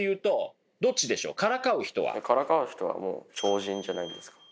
からかう人は超人じゃないんですか？